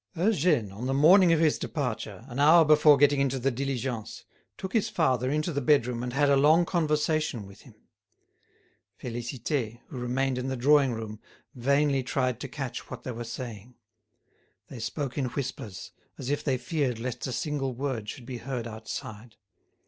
Eugène, on the morning of his departure, an hour before getting into the diligence, took his father into the bedroom and had a long conversation with him. Félicité, who remained in the drawing room, vainly tried to catch what they were saying. They spoke in whispers, as if they feared lest a single word should be heard outside.